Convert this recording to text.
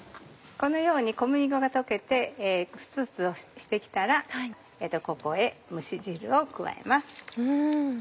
このように小麦粉が溶けてフツフツして来たらここへ蒸し汁を加えます。